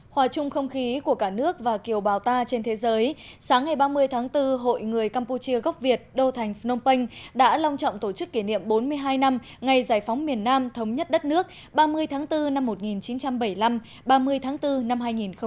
hòa chung không khí của cả nước và kiều bào ta trên thế giới sáng ngày ba mươi tháng bốn hội người campuchia gốc việt đô thành phnom penh đã long trọng tổ chức kỷ niệm bốn mươi hai năm ngày giải phóng miền nam thống nhất đất nước ba mươi tháng bốn năm một nghìn chín trăm bảy mươi năm ba mươi tháng bốn năm hai nghìn hai mươi